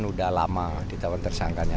sudah lama di tahun tersangkanya